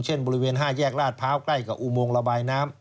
บริเวณ๕แยกลาดพร้าวใกล้กับอุโมงระบายน้ำ